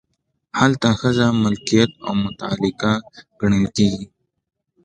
هلته ښځه ملکیت او متعلقه ګڼل کیږي.